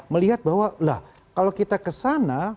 melihat bahwa lah kalau kita ke sana